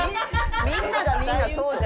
みんながみんなそうじゃない。